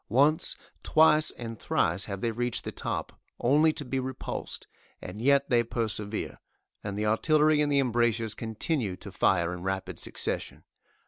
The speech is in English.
Once, twice and thrice have they reached the top, only to be repulsed, and yet they persevere, and the artillery in the embrasures continue to fire in rapid succession.